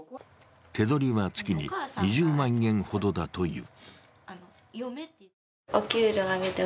手取りは月に２０万円ほどだという。